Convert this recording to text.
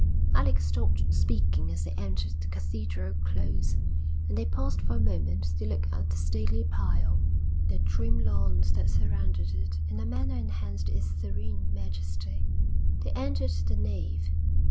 Alec stopped speaking as they entered the cathedral close, and they paused for a moment to look at the stately pile. The trim lawns that surrounded it, in a manner enhanced its serene majesty. They entered the nave.